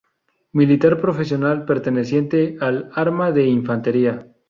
Militar profesional, perteneciente al arma de infantería.